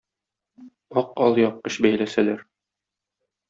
Ак алъяпкыч бәйләсәләр